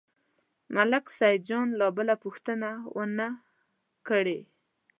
ملک سیدجان لا بله پوښتنه نه وه کړې.